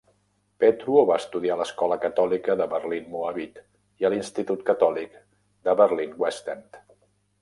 Petruo va estudiar a l'escola catòlica de Berlin-Moabit i a l'institut catòlic de Berlin-Westend.